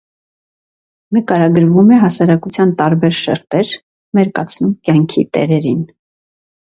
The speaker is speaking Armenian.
Նկարագրվում է հասարակության տարբեր շերտեր, մերկացնում «կյանքի տերերին»։